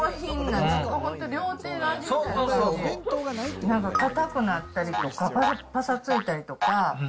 なんか硬くなったりとか、ぱさついたりとか。